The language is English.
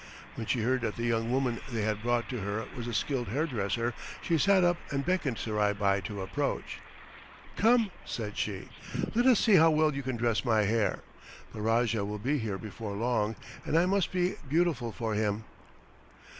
When she heard that the young woman they had brought to her was a skilled hairdresser, she sat up and beckoned Surai Bai to approach. "Come!" said she. "Let us see how well you can dress my hair. The Rajah will be here before long, and I must be beautiful for him."